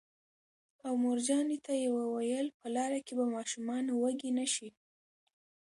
او مورجانې ته یې وویل: په لاره کې به ماشومان وږي نه شي